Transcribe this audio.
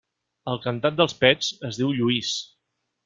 El cantant dels Pets es diu Lluís.